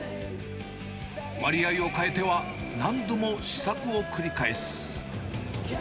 割合を変えては何度も試作を繰り返す。